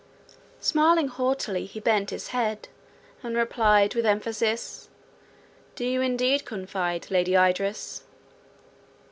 Smiling haughtily, he bent his head, and replied, with emphasis, "Do you indeed confide, Lady Idris?"